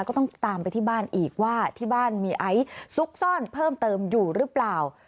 ก็ต้องตามไปที่บ้านอีกว่าที่บ้านมีไอซ์ซุกซ่อนเพิ่มเติมอยู่หรือเปล่า